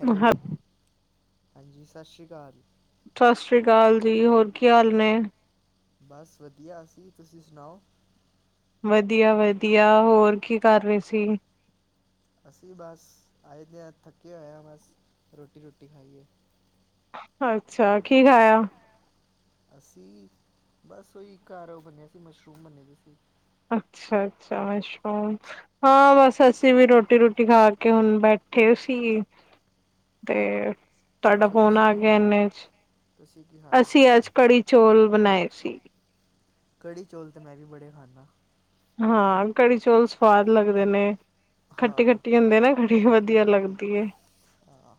Hello ਹ ਹਾਂਜੀ ਸਤਿ ਸ਼੍ਰੀ ਅਕਾਲ ਸਤਿ ਸ੍ਰੀ ਅਕਾਲ ਜੀ ਹੋਰ ਕੀ ਹਾਲ ਨੇ ਬਸ ਵਧੀਆ ਅਸੀ ਤੁਸੀਂ ਸੁਣਾਓ ਵਧੀਆ ਵਧੀਆ ਹੋਰ ਕੀ ਕਰ ਰਹੇ ਸੀ ਅਸੀਂ ਬਸ ਆਏ ਦੇ ਹਾਂ ਥੱਕੇ ਹੋਏ ਹਾਂ ਬਸ ਰੋਟੀ ਰੂਟੀ ਖਾਈਏ ਅੱਛਾ ਕੀ ਖਾਇਆ [inaudible] ਅਸੀਂ ਬਸ ਉਹੀ ਘਰ ਉਹ ਬੰਨਿਆ ਸੀ ਮਸ਼ਰੂਮ ਬੰਨੇ ਦੀ ਸੀ ਅੱਛਾ ਅੱਛਾ ਮਸ਼ਰੂਮ ਹਾਂ ਬਸ ਅਸੀਂ ਵੀ ਰੋਟੀ ਰੂਟੀ ਖਾ ਕੇ ਹੁਣ ਬੈਠੇ ਸੀ ਤੇ ਤੁਹਾਡਾ ਅੱਛਾ ਫੋਨ ਤੁਸੀਂ ਆ ਕੀ ਗਿਆ ਖਾਇਆ ਇਨੇ ਚ ਤੁਸੀਂ ਕੀ ਖਾਇਆ ਅਸੀਂ ਅੱਜ ਕੜੀ ਚੌਲ ਬਣਾਏ ਸੀ ਕੜੀ ਚੌਲ ਤੇ ਮੈਂ ਵੀ ਬੜੇ ਖਾਨਾ ਹਾਂ ਕੜੀ ਚੌਲ ਸਵਾਦ ਲੱਗਦੇ ਨੇ ਖੱਟੀ ਹਾਂ ਖੱਟੀ ਹੁੰਦੇ ਨਾ ਕੜੀ ਖੱਟੀ ਵਧੀਆ ਖੱਟੀ ਲੱਗਦੀ ਏ ਹਾਂ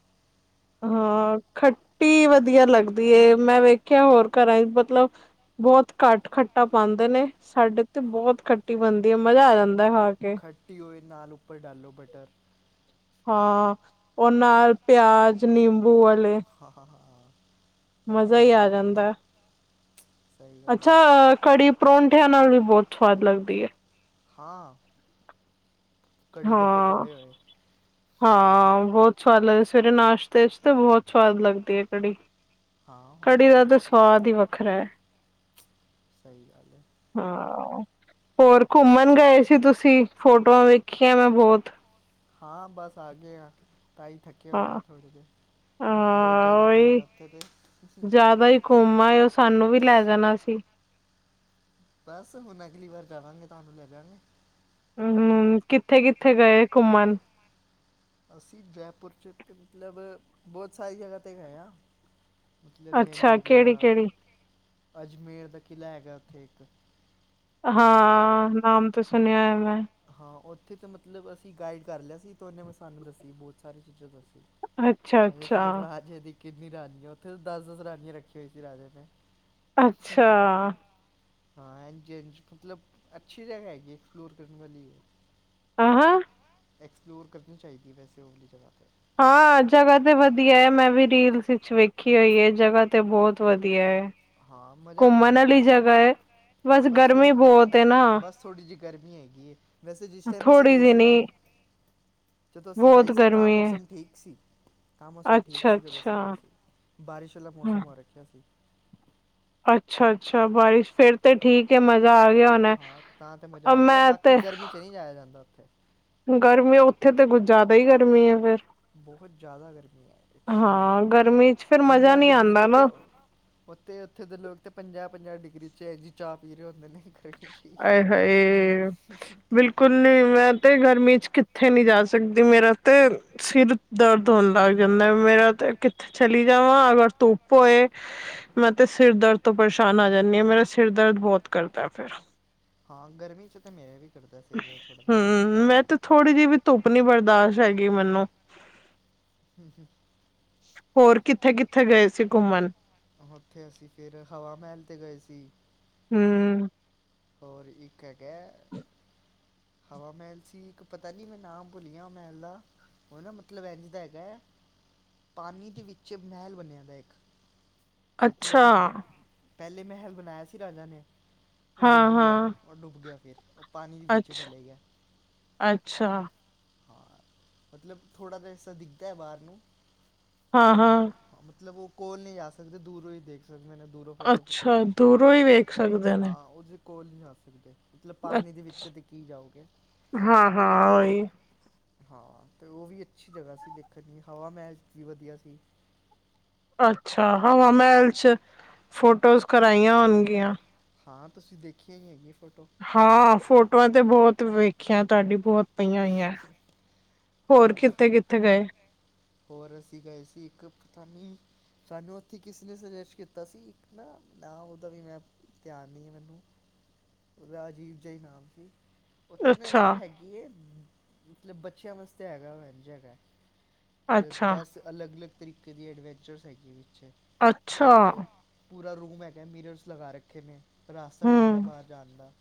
ਹਾਂ ਖ ਖਟੀ ਵਧੀਆ ਲੱਗਦੀ ਏ ਮੈਂ ਵੇਖਿਆ ਹੋਰ ਘਰਾਂ ਚ ਮਤਲਬ ਬਹੁਤ ਘੱਟ ਖੱਟਾ ਪਾਉਂਦੇ ਨੇ ਸਾਡੇ ਤੇ ਹਾਂ ਬਹੁਤ ਖੱਟੀ ਬਣਦੀ ਹੈ ਮਜ਼ਾ ਆ ਜਾਂਦਾ ਖਾ ਕੇ ਖੱਟੀ ਹੋਏ ਨਾਲ ਉਪਰ ਡਾਲੋ ਬਟਰ ਫਿਰ ਖਾਓ ਹਾਂ ਉਹ ਨਾਲ ਪਿਆਜ ਨਿੰਬੂ ਵਾਲੇ ਹਾਂ ਹਾਂ ਹਾਂ ਹਾਂ ਮਜ਼ਾ ਹੀ ਆ ਜਾਂਦਾ ਸਹੀ ਗੱਲ ਅੱਛਾ ਹੈ ਓਹ ਕੜੀ ਪਰੌਂਠਿਆਂ ਨਾਲ ਵੀ ਬਹੁਤ ਸਵਾਦ ਲੱਗਦੀ ਹੈ ਹਾਂ ਕੜੀ ਦੇ ਹਾਂ ਪਕੌੜੇ ਹੋਏ ਹਾਂ ਬਹੁਤ ਸਵਾਦ ਲੱਗਦਾ ਸਵੇਰੇ ਨਾਸ਼ਤੇਸ਼ ਤੇ ਬਹੁਤ ਸਵਾਦ ਲੱਗਦੀ ਹੈ ਕੜੀ ਹਾਂ ਹੋਰ ਕੜ੍ਹੀ ਕੀ ਦਾ ਤਾਂ ਸਵਾਦ ਹੀ ਵੱਖਰਾ ਹੈ ਸਹੀ ਗੱਲ ਹੈ ਹਾਂ ਹੋਰ ਘੁੰਮਣ ਗਏ ਸੀ ਤੁਸੀਂ ਫੋਟੋਆਂ ਵੇਖੀਆਂ ਮੈਂ ਬਹੁਤ ਹਾਂ ਬਸ ਆਗੇ ਆਂ ਤਾਂਈ ਥੱਕ ਕਿ ਹਾਂ ਹੋਏ ਆ ਥੋੜ੍ਹੇ ਜਿਹੇ ਬਹੁਤ ਹਾਂ ਜ਼ਿਆਦਾ ਘੁੰਮਿਆ ਉੱਥੇ ਤਾਂ ਤੁਸੀਂ ਘੁਮ ਆਏ ਉਹ ਸਾਨੂੰ ਵੀ ਲੈ ਜਾਣਾ ਸੀ ਬਸ ਹੁਣ ਅਗਲੀ ਵਾਰ ਜਾਵਾਂਗੇ ਤੁਹਾਨੂੰ ਲੈ ਜਾਾਂਗੇ ਹਮ ਕਿੱਥੇ-ਕਿੱਥੇ ਗਏ ਘੁੰਮਣ ਅਸੀਂ ਜੈਪੁਰ 'ਚ ਔਤੇ ਮਤਲਬ ਬਹੁਤ ਸਾਰੀ ਜਗ੍ਹਾ 'ਤੇ ਗਏ ਹਾਂ ਮਤਲਬ ਜੇਂਜ ਅੱਛਾ ਹੋ ਗਿਆ ਕਿਹੜੀ ਕਿਹੜੀ ਅਜਮੇਰ ਦਾ ਕਿਲ੍ਹਾ ਹੈਗਾ ਉੱਥੇ ਇੱਕ ਹਾਂ ਨਾਮ ਤਾਂ ਸੁਣਿਆ ਉਹ- ਹੈਗੈ ਹਾਂ ਉੱਥੇ ਤਾਂ ਮਤਲਬ ਅਸੀਂ ਗਾਈਡ ਕਰ ਲਿਆ ਸੀ ਤੇ ਉਹਨੇ ਮੈਂ ਸਾਨੂੰ ਦੱਸੀ ਬਹੁਤ ਸਾਰੀਆਂ ਚੀਜ਼ਾਂ ਅੱਛਾ ਦੱਸ ਅੱਛਾ ਰਾਜੇ ਦੀ ਕਿੰਨੀ ਰਾਨੀਆਂ ਹੈ ਉੱਥੇ ਦਸ-ਦਸ ਰਾਨੀਆਂ ਰੱਖੀ ਹੋਈ ਸੀ ਰਾਜੇ ਨੇ ਅੱਛਾ ਹਾਂ ਐਂਜ ਮਤਲਬ ਅੱਛੀ ਜਗਾ ਹੈਗੀ ਐਕਸਪਲੋਰ ਕਰਨ ਵਾਲੀ ਹੈ ਆਂ ਹ ਐਕਸਪਲੋਰ ਕਰਨੀ ਚਾਹੀਦੀ ਹੈ ਵੈਸੇ ਉਹ ਵਾਲੀ ਜਗਾ 'ਤੇ ਹਾਂ ਜਗ੍ਹਾ ਤੇ ਵਧੀਆ ਹੈ ਮੈਂ ਵੀ ਰੀਲਸ ਵਿੱਚ ਵੇਖੀ ਹੋਈ ਹੈ ਜਗ੍ਹਾ ਤੇ ਬਹੁਤ ਵਧੀਆ ਹੈ ਹਾਂ ਮਜ਼ਾ ਆ ਘੁੰਮਣ ਜਾਂਦਾ ਵਾਲੀ ਘੁੰਮ ਕੇ ਜਗ੍ਹਾ ਹੈ ਬਸ ਗਰਮੀ ਥੋੜੀ ਬਹੁਤ ਹੈ ਨਾ ਬਸ ਥੋੜ੍ਹੀ ਜਿਹੀ ਗਰਮੀ ਹੈਗੀ ਹੈ ਵੈਸੇ ਜਿਸ ਟਾਈਮ ਅਸੀਂ ਥੋੜ੍ਹੀ ਗਏ ਜਿਹੀ ਸੀ ਨਾ ਨੀ [unintelligible] ਜਦੋਂ ਅਸੀਂ ਗਏ ਬਹੁਤ ਸੀ ਤਾਂ ਗਰਮੀ ਹੈ ਮੌਸਮ ਠੀਕ ਸੀ ਤਾਂ ਮੌਸਮ ਠੀਕ ਅੱਛਾ ਸੀ ਜਦੋਂ ਅਸੀਂ ਅੱਛਾ ਗਏ ਸੀ ਬਾਰਿਸ਼ ਵਾਲਾ ਹਾਂ ਮੌਸਮ ਹੋ ਰੱਖਿਆ ਸੀ ਅੱਛਾ-ਅੱਛਾ ਬਾਰਿਸ਼ ਫੇਰ ਤੇ ਠੀਕ ਹੈ ਮਜ਼ਾ ਆ ਗਿਆ ਹੋਣਾ ਹਾਂ ਤਾਂ ਤੇ ਮਜ਼ਾ ਆ ਗਿਆ ਮੈਂ ਬਾਕੀ ਤੇ ਗਰਮੀ 'ਚ ਨਹੀਂ ਜਾਇਆ ਜਾਂਦਾ ਉੱਥੇ ਗਰਮੀ ਉੱਥੇ ਤਾਂ ਕੁਝ ਜ਼ਿਆਦਾ ਹੀ ਗਰਮੀ ਐ ਫੇਰ ਬਹੁਤ ਜ਼ਿਆਦਾ ਗਰਮੀ ਐ ਐਕਸਟ੍ਰਰੀਮ ਹਾਂ ਗਰਮੀ ਹੈ ਚ ਫੇਰ ਮਜ਼ਾ ਪੰਜਾਹ ਨਹੀਂ ਡਿਗਰੀ ਆਂਦਾ 'ਚ ਤੇ ਨਾ ਉੱਥੇ-ਉੱਥੇ ਦੇ ਲੋਕ ਤਾਂ ਪੰਜਾਹ-ਪੰਜਾਹ ਡਿਗਰੀ 'ਚ ਏਹੋ ਜੀ ਚਾਹ ਪੀ ਰਹੇ ਹੁੰਦੇ ਨੇ ਗਰਮੀ 'ਚ ਹੀ। ਆਏ ਹਾਏ ਬਿਲਕੁਲ ਕਲਿ ਮੈਂ ਤੇ ਗਰਮੀ ਚ ਕਿੱਥੇ ਨੀ ਜਾ ਸਕਦੀ ਮੇਰਾ ਤੇ ਸਿਰ ਦਰਦ ਹੋਣ ਲੱਗ ਜਾਂਦਾ ਮੇਰਾ ਤੇ ਕਿੱਥੇ ਚਲੀ ਜਾਵਾਂ ਅਗਰ ਧੁੱਪ ਹੋਏ ਮੈਂ ਤੇ ਸਿਰ ਦਰਦ ਤੋਂ ਪਰੇਸ਼ਾਨ ਆ ਜਾਂਦੀ ਹਾਂ ਮੇਰਾ ਸਿਰ ਦਰਦ ਬਹੁਤ ਕਰਦਾ ਫੇਰ ਹਾਂ ਗਰਮੀ ਚ ਤਾਂ ਮੇਰੇ ਵੀ ਕਰਦਾ ਸੀ ਥੋੜਾ ਹੂੰ, ਥੋੜਾ ਮੈਂ ਤੇ ਥੋੜ੍ਹੀ ਜਿਹੀ ਵੀ ਧੁੱਪ ਨੀ ਬਰਦਾਸ਼ਤ ਹੈਗੀ ਮੈਨੂੰ ਹੂੰ ਹੂੰ ਹੋਰ ਕਿੱਥੇ-ਕਿੱਥੇ ਗਏ ਸੀ ਘੁੰਮਣ ਉੱਥੇ ਅਸੀਂ ਫਿਰ ਹਵਾ ਮਹਿਲ 'ਤੇ ਗਏ ਸੀ ਹੂੰ ਹੋਰ ਇੱਕ ਹੈਗੈ ਹਵਾ ਮਹਿਲ ਸੀ ਇੱਕ ਪਤਾ ਨੀ ਮੈਂ ਨਾਮ ਭੁੱਲ ਗਿਆ ਮਹਿਲ ਦਾ ਉਹ ਨਾ ਮਤਲਬ ਇੰਝ ਦਾ ਹੈਗਾ ਆ ਪਾਣੀ ਦੇ ਵਿੱਚ ਮਹਿਲ ਬਨਿਆ ਦੈ ਇੱਕ ਮਤਲਬ ਅੱਛਾ, ਪਹਿਲੇ ਮਹਿਲ ਬਣਾਇਆ ਸੀ ਰਾਜਾ ਨੇ ਉਹ ਡੁੱਬ ਗਿਆ ਹਾਂ-ਹਾਂ, ਓ ਡੁੱਬ ਗਿਆ ਫਿਰ ਉਹ ਪਾਣੀ ਦੇ ਵਿੱਚੇ ਅੱਛ ਚਲੇ ਗਿਆ ਅੱਛਾ, ਹਾਂ ਮਤਲਬ ਥੋੜ੍ਹਾ ਤਾਂ ਹਿੱਸਾ ਦਿਖਦਾ ਬਾਹਰ ਨੂੰ ਹਾਂ-ਹਾਂ ਹਾਂ ਮਤਲਬ ਉਹ ਕੋਲ ਨਹੀਂ ਜਾ ਸਕਦੇ ਦੂਰੋਂ ਹੀ ਦੇਖ ਸਕਦੇ ਨੇ ਦੂਰੋਂ ਫੋਟੋ-ਫੋਟੋ ਅੱਛਾ ਖਿਚੋ ਦੂਰੋਂ ਹੀ ਵੇਖ ਸਕਦੇ ਹਾਂ ਓਦੇ ਕੋਲ ਨਹੀਂ ਜਾ ਸਕਦੇ ਮਤਲਬ ਅਛ ਪਾਣੀ ਦੇ ਵਿੱਚ ਤੇ ਕੀ ਜਾਓਗੇ ਹਾਂ-ਹਾਂ ਓਹੀ ਹਾਂ, ਤੇ ਉਹ ਵੀ ਅੱਛੀ ਜਗ੍ਹਾ ਸੀ ਦੇਖਣ ਦੀ, ਹਵਾ ਮਹਿਲ ਵੀ ਵਧੀਆ ਸੀ। ਅੱਛਾ, ਹਵਾਾਂ ਮਹਿਲ ਚ ਫੋਟੋਜ਼ ਕਰਾਈਆਂ ਹੋਣਗੀਆਂ। ਹਾਂ, ਤੁਸੀਂ ਦੇਖੀਆਂ ਹੈਗੀ ਫੋਟੋ। ਹਾਂ, ਫੋਟੋਆਂ ਤੇ ਬਹੁਤ ਵੇਖੀਆਂ ਤੁਹਾਡੀ ਬਹੁਤ। ਪਈਆਂ ਹੋਈਆਂ ਔਰ ਹੋਰ ਕਿੱਥੇ ਕਿੱਥੇ ਗਏ। ਹੋਰ, ਅਸੀਂ ਗਏ ਸੀ ਇੱਕ ਪਤਾ ਨੀ। ਸਾਨੂੰ, ਉੱਥੇ ਕਿਸੇ ਨੇ ਸਜੈਸ਼ਟ ਕੀਤਾ ਸੀ ਇੱਕ ਨਾ ਨਾ ਉਹਦਾ ਵੀ ਧਿਆਨ ਨਹੀਂ ਮੈਨੂੰ। ਰਾਜੀਵ ਜਾ ਈ ਨਾਮ ਸੀ ਉੱਥੇ ਨਾ ਅੱਛਾ, [unintelligible] ਹੈਗੇ ਇਹ, ਮਤਲਬ ਬੱਚਿਆਂ ਵਸਤੇ ਹੈਗਾ ਵਾ [unintelligible] ਅੱਛਾ, ਦਸ। ਅਲੱਗ ਅਲੱਗ, ਤਰੀਕੇ ਦੀ ਐਡਵੈਂਚਰਸ ਹੈਗੀਆਂ ਵਿੱਚ ਅੱਛਾ, ਜਿਹਦੇ ਚ। ਪੂਰਾ ਰੂਮ ਹੈਗਾ ਮਿਰਰਸ ਲਗਾ ਰੱਖੇ ਨੇ ਰਾਸਤਾ ਡੂਂਢਨਾ ਹੂੰ, ਬਾਹਰ ਜਾਣ ਦਾ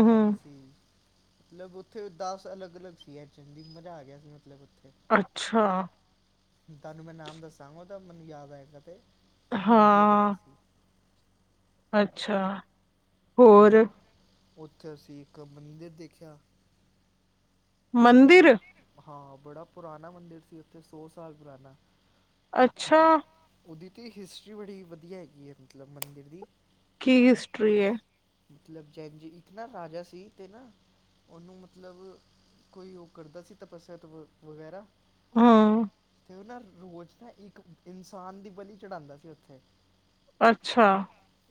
ਇਹ ਵੀ ਸੀ। ਮਤਲਬ ਉੱਥੇ ਦੱਸ ਅਲੱਗ ਅਲੱਗ ਸੀ ਐਚ ਏਂਦੀ ਮਜ਼ਾ ਆ ਗਿਆ ਸੀ ਮਤਲਬ ਉੱਥੇ। ਅੱਛਾ। ਤੁਹਾਨੂੰ ਮੈਂ ਨਾਮ ਦੱਸਾਂਗਾ ਓਹਦਾ ਮੈਨੂੰ ਯਾਦ ਆਏਗਾ ਤੇ ਉਹ ਵੀ ਵਧੀਆ ਜਗ੍ਹਾ ਹਾਂ, ਸੀ। ਅੱਛਾ। ਹੋਰ ਓਥੇ ਅਸੀਂ ਇੱਕ ਮੰਦਿਰ ਦੇਖਿਆ। ਮੰਦਿਰ ਹਾਂ ਬੜਾ ਪੁਰਾਣਾ ਮੰਦਿਰ ਸੀ ਉੱਥੇ ਸੌ ਸਾਲ ਪੁਰਾਣਾ ਅੱਛਾ ਉਹਦੀ ਤਾਂ ਹਿਸਟਰੀ ਬੜੀ ਵਧੀਆ ਹੈਗੀ ਐ ਮਤਲਬ ਮੰਦਿਰ ਦੀ ਕੀ ਹਿਸਟਰੀ ਐ ਮਤਲਬ ਜੈਨ ਜੀ ਇੱਕ ਨਾ ਰਾਜਾ ਸੀ ਤੇ ਨਾ। ਉਹਨੂੰ ਮਤਲਬ ਕੋਈ ਉਹ ਕਰਦਾ ਸੀ ਤਪੱਸਿਆ ਵਗੈਰਾ। ਹਾਂ। ਤੇ ਨਾਂ ਰੋਜ਼ ਨਾਂ ਇੱਕ ਇਨਸਾਨ ਦੀ ਬਲੀ ਚੜਾਂਦਾ ਸੀ ਉੱਥੇ। ਅੱਛਾ।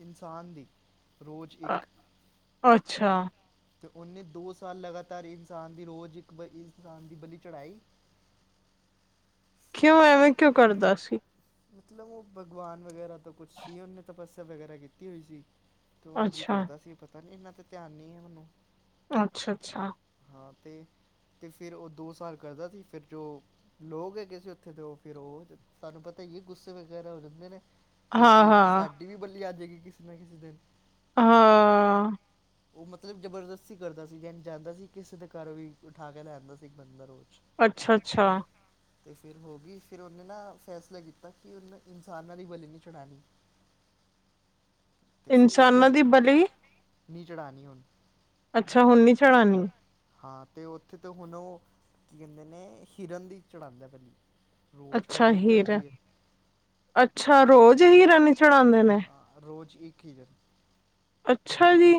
ਇਨਸਾਨ ਦੀ ਰੋਜ ਅ ਅੱਛਾ। ਤੇ ਉਹਨੇ ਦੋ ਸਾਲ ਲਗਾਤਾਰ ਇਨਸਾਨ ਦੀ ਰੋਜ਼ ਇੱਕ ਇਨਸਾਨ ਦੀ ਬਲੀ ਚੜ੍ਹਾਈ। ਫੇਰ ਕਿਉਂ ਨਾ ਐਵੇਂ ਕਿਉਂ ਕਰਦਾ ਸੀ? ਮਤਲਬ, ਉਹ ਭਗਵਾਨ ਵਗੈਰਾ ਤੋਂ ਕੁਛ ਸੀ, ਉਹਨੇ ਤਪੱਸਿਆ ਵਗੈਰਾ ਕੀਤੀ ਹੋਈ ਸੀ, ਤੇ ਉਂਜੀ ਅੱਛਾ, ਅਸੀਂ ਪਤਾ ਨੀ ਇਹਨਾ ਤੇ ਧਿਆਨ ਨੀ ਹੈ ਮੈਨੂੰ। ਅੱਛਾ, ਅੱਛਾ ਹਾਂ ਤੇ, ਤੇ ਫਿਰ ਉਹ ਦੋ ਸਾਲ ਕਰਦਾ ਸੀ, ਫਿਰ ਜੋ ਲੋਗ ਹੈਗੇ ਸੀ ਉੱਥੇ ਤੇ ਉਹ ਫਿਰ ਉਹ ਤੁਹਾਨੂੰ ਪਤਾ ਈ ਏ ਗੁੱਸੇ ਵਗੈਰਾ ਹੋ ਜਾਂਦੇ ਨੇ। ਕੀ ਅਤੇ ਹਾਂ-ਹਾਂ, ਸਾਡੀ ਵੀ ਬਲੀ ਆ ਜੇਗੀ ਕਿਸੇ ਨਾ ਕਿਸੇ ਦਿਨ। ਹਾਂ ਉਹ ਮਤਲਬ ਜਬਰਦਸਤੀ ਕਰਦਾ ਸੀ, ਜੈਂਜ ਜਾਂਦਾ ਸੀ ਕਿਸੇ ਦੇ ਘਰ ਵੀ, ਉਠਾ ਕੇ ਲੈ ਅਂਦਾ ਸੀ ਇੱਕ ਬੰਦਾ ਰੋਜ। ਅੱਛਾ, ਅੱਛਾ। ਤੇ ਫਿਰ ਹੋ ਗਈ, ਫਿਰ ਉਹਨੇ ਨਾ ਫੈਸਲਾ ਕੀਤਾ, ਕਿ ਉਹਨੇ ਇਨਸਾਨਾਂ ਦੀ ਬਲੀ ਨਹੀਂ ਚੜ੍ਹਾਣੀ। ਤੇ, ਫਿਰ ਉਥੇ, ਇਨਸਾਨਾਂ ਦੀ ਬਲੀ ਨੀਂਹ ਚੜ੍ਹਾਣੀ ਹੁਣ। ਅੱਛਾ, ਹੁਣ ਨੀ ਚੜਾਣੀ। ਹਾਂ, ਤੇ, ਉੱਥੇ ਤੇ ਹੁਣ ਉਹ, ਕੀ ਕਹਿੰਦੇ ਨੇ ਹਿਰਨ ਦੀ ਚੜ੍ਹਾਂਦਾ ਐ ਬਲੀ। ਰੋਜ਼ ਅੱਛਾ ਹਜੇ ਵੀ ਠੀਕ ਐ, ਚੜਦੀ ਹੈ ਅੱਛਾ ਰੋਜ਼ ਹੀਰਨ ਹੀ ਚੜਾਂਦੇ ਨੇ। ਹਾਂ ਰੋਜ਼ ਇੱਕ ਹੀਰਨ। ਅੱਛਾ ਜੀ।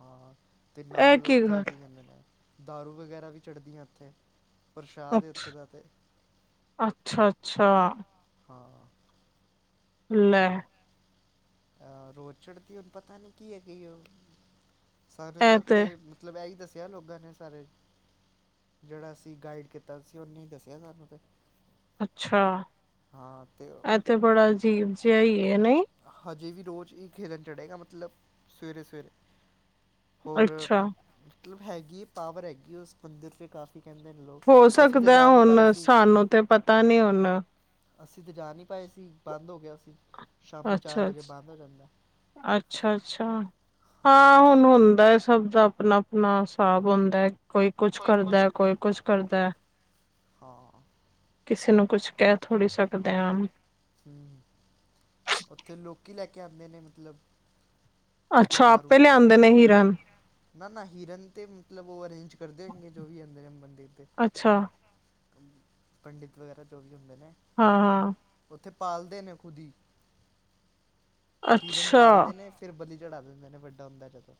ਹਾਂ, ਤੇ ਇਹ ਨਾਲ ਉੱਥੇ ਗੱਲ ਕੀ ਕਹਿੰਦੇ ਨੇ, ਦਾਰੂ ਵਗੈਰਾ ਵੀ ਚੜ੍ਹਦੀਆਂ ਉੱਥੇ। ਪ੍ਰਸ਼ਾਦ ਏ ਉੱਥੇ ਦਾ ਤੇ, ਅੱਛਾ-ਅੱਛਾ ਹਾਂ। ਲੈ ਅ, ਰੋਜ਼ ਚੜ੍ਹਦੀ, ਹੁਣ ਪਤਾ ਨੀ ਕੀ ਹੈਗੀ ਉਹ, ਸਾਰੇ ਤਾਂ ਇਹ ਤੇ ਓਥੇ ਮਤਲਬ ਇਹ ਈ ਦੱਸਿਆ ਲੋਕਾਂ ਨੇ ਸਾਰੇ ਜਿਹੜਾ ਅਸੀ ਗਾਈਡ ਕੀਤਾ ਸੀ ਉਹਨੇ ਈ ਦੱਸਿਆ ਸਾਨੂੰ ਤੇ ਅੱਛਾ ਹਾਂ ਅਤੇ ਐ ਤੇ ਬੜਾ ਅਜੀਬ ਜਿਹਾ ਈ ਏ ਨਹੀਂ ਹਜੇ ਵੀ ਰੋਜ਼ ਇਕ ਹੀਰਨ ਚੜ੍ਹੇਗਾ ਮਤਲਬ ਸਵੇਰੇ ਸਵੇਰੇ ਹੋਰ ਅੱਛਾ ਮਤਲਬ ਹੈਗੀ ਪਾਵਰ ਹੈਗੀ ਉਸ ਮੰਦਿਰ 'ਤੇ ਕਾਫੀ ਕੀ ਕਹਿੰਦੇ ਨੇ ਲੋਕ ਹੋ ਅਸੀਂ ਤੇ ਸਕਦਾ ਜਾ ਨੀ ਪਾਏ ਹੁਣ ਸੀ। ਸਾਨੂੰ ਤੇ ਪਤਾ ਨੀ ਹੁਣ ਅਸੀਂ ਤੇ ਜਾ ਨਹੀਂ ਪਾਏ ਸੀ ਬੰਦ ਹੋ ਗਿਆ ਸੀ। ਸ਼ਾਮੀ ਚਾਰ ਵਜੇ ਬੰਦ ਹੋ ਜਾਂਦਾ ਅੱਛਾ ਅੱਛਾ ਹਾਂ ਹੁਣ ਹੁੰਦਾ ਸਭ ਦਾ ਆਪਣਾ ਆਪਣਾ ਹਿਸਾਬ ਹੁੰਦਾ ਹੈ ਕੋਈ ਕੁਛ ਕਰਦਾ ਕੋਈ ਕੁਛ ਕਰਦਾ ਹਾਂ ਕਿਸੇ ਨੂੰ ਕੁਛ ਕਹਿ ਥੋੜ੍ਹੀ ਸਕਦੇ ਆ ਹੂੰ ਉੱਥੇ ਲੋਕੀ ਲੈ ਕੇ ਆਂਦੇ ਨੇ ਮਤਲਬ ਅੱਛਾ ਦਾਰੂ ਆਪੇ ਵਗੈਰਾ ਲਿਆਂਦੇ ਨੇ ਹਿਰਨ ਨਾ ਨਾ ਹਿਰਨ 'ਤੇ ਮਤਲਬ ਉਹ ਅਰੇਂਜ ਕਰਦੇ ਦੇਣਗੇ ਜੋ ਵੀ ਆਂਦੇ ਮੰਦਿਰ ਤੇ ਅੱਛਾ ਪੰਡਿਤ ਵਗੈਰਾ ਜੋ ਵੀ ਹੁੰਦੇ ਨੇ ਹਾਂ, ਹਾਂ ਉੱਥੇ ਪਾਲਦੇ ਨੇ ਖੁਦ ਹੀ, ਹੀਰਨ ਅੱਛਾ ਪਾਲਦੇ ਨੇ, ਫੇਰ ਬਲੀ ਚੜਾ ਦਿਂਦੇ ਨੇ, ਵੱਡਾ ਹੁੰਦਾ ਜਦੋਂ।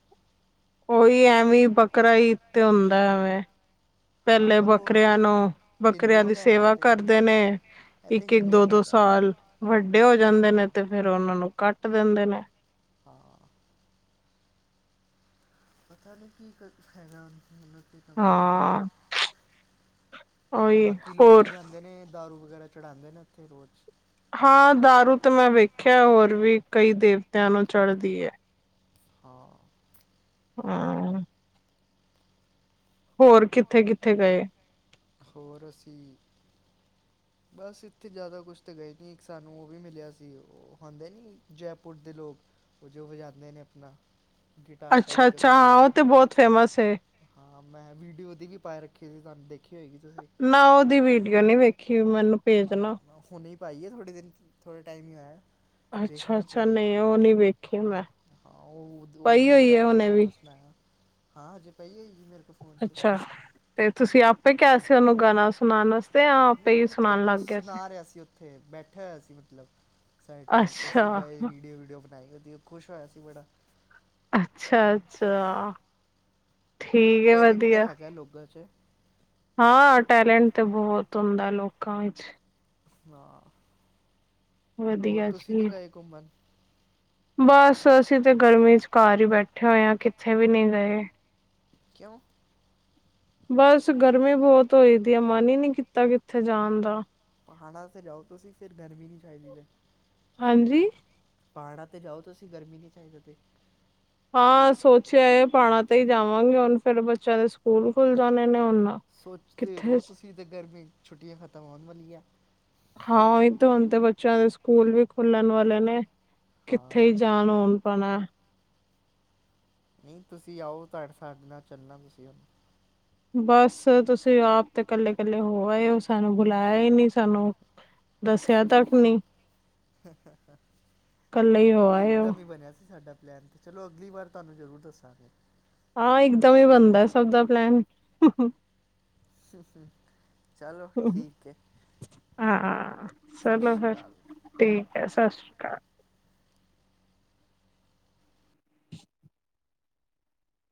ਉਹੀ ਐਵੇਂ ਈ ਬਕਰਾ ਈਦ ਤੇ ਹੁੰਦਾ ਐਵੇਂ [unintelligible] ਪਹਿਲੇ ਉਹ ਤੇ ਬੱਕਰਿਆਂ ਨੂੰ ਬੱਕਰਿਆਂ ਹਿੰਦੂਆਂ ਦੀ ਦਾ ਹੈਗਾ ਇਹ ਸੇਵਾ ਤੇ ਇਹ ਤੇ ਕਰਦੇ ਨੇ ਇਹ ਤੇ ਇੱਕ ਇੱਕ ਹਿੰਦੂਆਂ ਦੋ ਦਾ ਦੋ ਹੈਗਾ ਸਾਲ ਵੱਡੇ ਹੋ ਜਾਂਦੇ ਨੇ ਹਾਂ ਤੇ ਫੇਰ ਉਹਨਾਂ ਨੂੰ ਕੱਟ ਦਿੰਦੇ ਨੇ। [unintelligible] ਪਤਾ ਨਹੀਂ ਕੀ ਕੁਛ ਹੈਗਾ ਓਹਨਾ [unintelligible] ਇਹ ਤਾਂ ਕੁਛ ਪਤਾ ਨਹੀ, ਹਾਂ ਉਹੀ ਬਾਕੀ ਹੋਰ ਲੋਕੀ ਰਹਿੰਦੇ ਨੇ ਦਾਰੂ ਵਗੈਰਾ ਚੜਾਉਂਦੇ ਨੇ ਇੱਥੇ ਰੋਜ਼। ਹਾਂ ਦਾਰੂ ਤੇ ਮੈਂ ਵੇਖਿਆ ਹੋਰ ਵੀ ਕਈ ਦੇਵਤਿਆਂ ਨੂੰ ਚੜਦੀ ਏ। ਹਾਂ। [unintelligible] ਹੋਰ ਕਿੱਥੇ ਕਿੱਥੇ ਗਏ? ਹੋਰ ਅਸੀਂ ਬਸ ਇੱਥੇ ਜ਼ਿਆਦਾ ਕੁਛ ਤਾਂ ਗਏ ਨਹੀਂ ਇੱਕ ਸਾਨੂੰ ਉਹ ਵੀ ਮਿਲਿਆ ਸੀ ਉਹ ਹਉਂਦੇ ਨਹੀਂ ਜੈਪੁਰ ਦੇ ਲੋਗ, ਉਹ ਜੋ ਵਜਾਂਦੇ ਨੇ ਆਪਣਾ ਗਿਟਾਰ ਅੱਛਾ ਟਾਈਪ ਜਾ ਅੱਛਾ ਕੁਛ ਹਾਂ ਉਹ ਹੁੰਦਾ, ਤੇ ਬਹੁਤ ਫੇਮਸ ਹੈ ਹਾਂ ਮੈਂ ਵੀਡੀਓ ਓਦੀ ਵੀ ਪਾ ਰੱਖੀ ਹੋਈ ਤੁਹਾਨੂੰ ਦੇਖੀ ਹੋਏਗੀ ਤੁਸੀਂ? ਨਾ ਉਹਦੀ ਵੀਡੀਓ ਨੀ ਵੇਖੀ ਮੈਨੂੰ ਨਾ ਭੇਜਣਾ ਨਾ ਹੁਣੇ ਹੀ ਪਾਈ ਏ ਥੋੜ੍ਹੇ ਦਿਨ ਥੋੜ੍ਹੇ ਟਾਈਮ ਈ ਹੋਯਾ। ਅੱਛਾ ਅੱਛਾ ਨਹੀਂ ਉਹ ਨਹੀਂ ਵੇਖੀ ਮੈਂ। ਹਾਂ ਉਹ ਪਈ ਨੇ ਹੋਈ ਬੜਾ ਹੈ ਅੱਛਾ ਹੁਣੇ ਗਾਨਾ ਵੀ ਸੁਣਾਇਆ ਹਾਂ ਹਜੇ ਪਈ ਹੋਈ ਏ ਮੇਰੇ ਕੋਲ ਫੋਨ 'ਚ ਅੱਛਾ ਤੇ ਤੁਸੀਂ ਆਪੇ ਕਿਹਾ ਸੀ ਉਹਨੂੰ ਗਾਣਾ ਸੁਣਾਉਣ ਵਾਸਤੇ ਆਪੇ ਨਹੀਂ ਹੀ ਮਤਲਬ ਸੁਣਾਉਣ ਉਹ ਲੱਗ ਗਿਆ ਸੁਣਾ ਰਿਹਾ ਸੀ ਉੱਥੇ ਬੈਠਿਆ ਹੋਇਆ ਸੀ ਮਤਲਬ ਸਾਈਡ ਚ ' ਤਾਂ ਅਸੀਂ ਅੱਛਾ ਗਏ ਵੀਡੀਓ ਵੀਡੀਓ ਬਣਾਈ ਓਹਦੀ ਖੁਸ਼ ਹੋਇਆ ਸੀ ਬੜਾ। ਅੱਛਾ-ਅੱਛਾ। ਮਤਲਬ ਟੈਲੈਂਟ ਤਾਂ ਹੈਗਾ ਲੋਕਾਂ 'ਚ। ਹਾਂ ਟੈਲੈਂਟ ਤੇ ਬਹੁਤ ਹੁੰਦਾ ਲੋਕਾਂ ਵਿੱਚ। ਹਾਂ ਹੋਰ ਵਧੀਆ ਤੁਸੀਂ ਨਹੀਂ ਜੀ ਗਏ ਘੁੰਮਣ? ਬਸ ਅਸੀਂ ਤਾਂ ਗਰਮੀ 'ਚ ਘਰ ਹੀ ਬੈਠੇ ਹੋਏ ਹਾਂ ਕਿੱਥੇ ਵੀ ਨਹੀਂ ਗਏ। ਕਿਉਂ? ਬਸ ਗਰਮੀ ਬਹੁਤ ਹੋਈ ਦੀ ਆ ਮਨ ਹੀ ਨਹੀਂ ਕੀਤਾ ਕਿੱਥੇ ਜਾਣ ਦਾ। ਪਹਾੜਾਂ ਤੇ ਜਾਓ ਤੁਸੀ ਫਿਰ ਗਰਮੀ ਨਹੀ ਚਾਹੀਦੀ ਵੇ ਹਾਂਜੀ- ਪਹਾੜਾਂ ਜਾਓ ਤਾਂ ਤੁਸੀ ਗਰਮੀ ਨਹੀ ਚਾਹੀਦਾ ਤੇ ਹਾਂ ਸੋਚਿਆ ਪਹਾੜਾ ਤੇ ਹੀ ਜਾਵਾਂਗੇ ਹੁਣ ਫੇਰ ਬੱਚਿਆਂ ਦੇ ਸਕੂਲ ਖੁੱਲ ਜਾਣੇ ਨੇ ਹੁਣ ਸੋਚਦੇ ਕਿੱਥੇ ਰਹੋ ਤੁਸੀ ਤੇ ਗਰਮੀ ਛੁੱਟੀਆਂ ਖਤਮ ਹੋਣ ਵਾਲੀਆਂ ਹਾਂ ਓਹੀ ਤੇ ਹੁਣ ਤੇ ਬੱਚਿਆਂ ਦੇ ਸਕੂਲ ਵੀ ਖੁੱਲਣ ਵਾਲੇ ਨੇ ਕਿਥੇ ਹਾਂ ਹੀ ਜਾਣ ਹੁਣ। [unintelligible] ਨਹੀਂ ਤੁਸੀ ਆਓ ਤੁਹਾਡੇ ਸਾਡੇ ਨਾਲ ਚੱਲਣਾ ਤੁਸੀ ਬਸ ਤੁਸੀ ਆਪ ਤੇ ਇਕੱਲੇ ਇਕੱਲੇ ਹੋ ਆਏ ਹੋ ਸਾਨੂੰ ਬੁਲਾਇਆ ਹੀ ਨਹੀ ਸਾਨੂੰ। ਦੱਸਿਆ ਤੱਕ ਨਹੀ। [unintelligible] ਕੱਲੇ ਹੀ ਹੋ ਆਏ ਹੋ ਇੱਕਦਮ ਹੀ ਬਣਿਆ ਸੀ ਸਾਡਾ ਪਲੈਨ ਚਲੋ ਅਗਲੀ ਵਾਰ ਤੁਹਾਨੂੰ ਜ਼ਰੂਰ ਦੱਸਾਂਗੇ। ਹਾਂ ਇਕਦਮ ਹੀ ਬਣਦਾ ਸਭ ਦਾ ਪਲੈਨ- ਚਲੋ ਠੀਕ ਹੈ। ਹਾਂ ਸਤਿ ਚਲੋ ਸ਼੍ਰੀ ਫਿਰ ਅਕਾਲ। ਠੀਕ ਹੈ। ਸਤਿ ਸ਼੍ਰੀ ਅਕਾਲ।